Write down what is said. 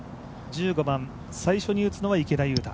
１５番、最初に打つのは池田勇太。